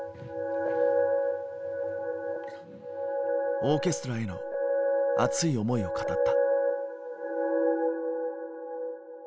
オーケストラへの熱い思いを語った。